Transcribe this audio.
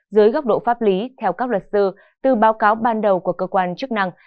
dưới góc độ pháp lý theo các luật sư từ báo cáo ban đầu của cơ quan chức năng